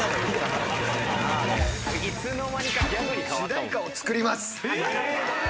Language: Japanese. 主題歌をつくります。